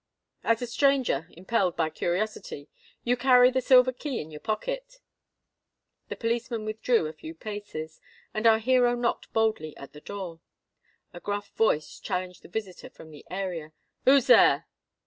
"As a stranger, impelled by curiosity. You carry the silver key in your pocket." The policeman withdrew a few paces; and our hero knocked boldly at the door. A gruff voice challenged the visitor from the area. "Who's here?"